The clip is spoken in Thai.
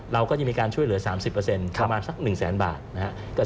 เราก็จะมีการช่วยเหลือ๓๐ประมาณสัก๑แสนบาทนะครับ